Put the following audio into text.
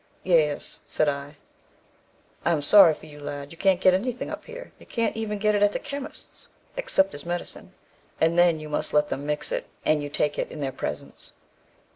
'Yes,' said I. 'I am sorry for you, my lad; you can't get anything up here; you can't even get it at the chemist's, except as medicine, and then you must let them mix it and you take it in their presence.'